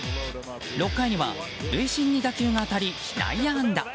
６回には塁審に打球が当たり内野安打。